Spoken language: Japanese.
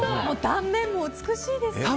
断面も美しいですね。